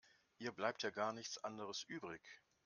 Ihr bleibt ja gar nichts anderes übrig.